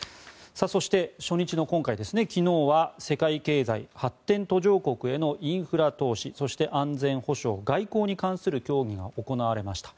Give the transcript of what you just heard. そして、初日の今回昨日は世界経済発展途上国へのインフラ投資そして安全保障・外交に関する協議が行われました。